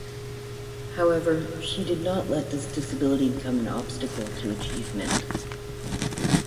However, she did not let this disability become an obstacle to achievement.